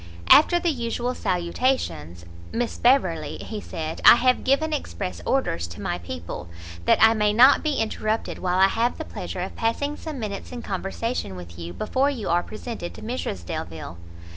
After the usual salutations, "Miss Beverley," he said, "I have given express orders to my people, that I may not be interrupted while I have the pleasure of passing some minutes in conversation with you before you are presented to Mrs Delvile."